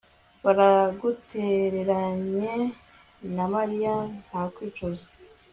baragutereranye nta marira, nta kwicuza